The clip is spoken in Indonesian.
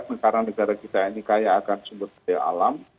negara negara kita ini kaya akan sumber daya alam